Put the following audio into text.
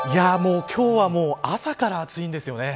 今日はもう朝から暑いんですよね。